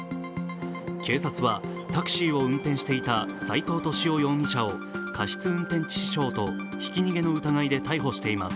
警察はタクシーを運転していた斎藤敏夫容疑者を過失運転致死傷とひき逃げの疑いで逮捕しています。